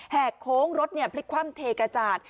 แหกโค้งรถเนี่ยพลิกคว่ำเทกระจาด